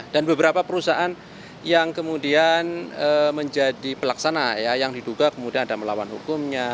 dan beberapa perusahaan yang kemudian menjadi pelaksana yang diduga kemudian ada melawan hukumnya